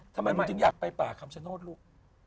ทำไมมึงถึงอยากไปป่าคำชโนธลูก